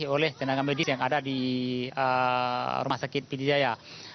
oleh tenaga medis yang ada di rumah sakit pidijaya